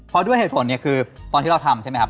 เพราะด้วยเหตุผลเนี่ยคือตอนที่เราทำใช่ไหมครับ